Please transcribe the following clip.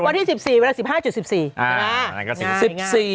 วันที่๑๔วันที่๑๕๑๔